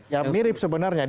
ya mirip sebenarnya